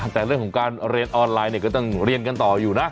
แต่เรื่องของการเรียนออนไลน์ก็ต้องเรียนกันต่ออยู่นะ